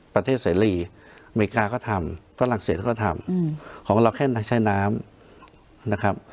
ประเทศเสรีอเมริกาก็ทำฝรั่งเศรษฐก็ทำอืมของเราแค่ใช้น้ำนะครับ